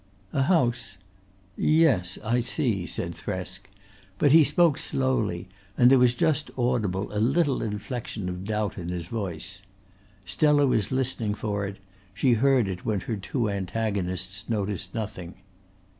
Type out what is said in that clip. "A house? Yes, I see," said Thresk, but he spoke slowly and there was just audible a little inflection of doubt in his voice. Stella was listening for it; she heard it when her two antagonists noticed nothing.